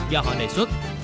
do họ đề xuất